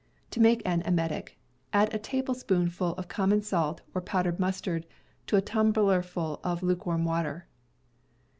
To make an emetic, add a tablespoonful of common salt, or powdered mustard, to a tumblerful of lukewarm water.